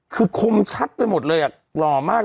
คือคมชัดไปหมดเลยอ่ะหล่อมาก